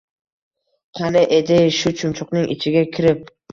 «Qani edi, shu chumchuqning ichiga kirib